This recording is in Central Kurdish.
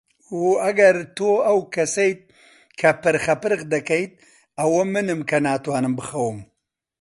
و ئەگەر تۆ ئەو کەسەیت کە پرخەپرخ دەکەیت، ئەوە منم کە ناتوانم بخەوم.